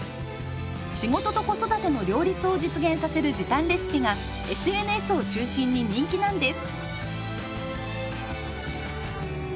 仕事と子育ての両立を実現させる時短レシピがＳＮＳを中心に人気なんです。